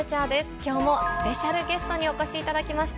きょうもスペシャルゲストにお越しいただきました。